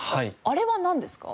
あれはなんですか？